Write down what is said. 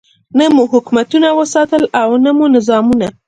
نه مو حکومتونه وساتل او نه مو نظامونه.